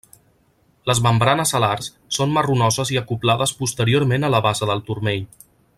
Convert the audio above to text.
Les membranes alars són marronoses i acoblades posteriorment a la base del turmell.